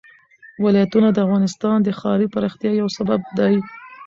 ولایتونه د افغانستان د ښاري پراختیا یو سبب دی.